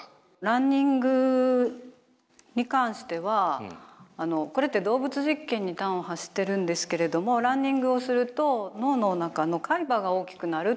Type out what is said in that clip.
ランニングに関してはこれって動物実験に端を発してるんですけれどもランニングをすると脳の中の海馬が大きくなるっていう研究がありまして。